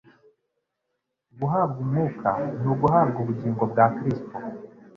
Guhabwa umwuka ni uguhabwa ubugingo bwa Kristo.